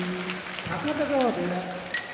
高田川部屋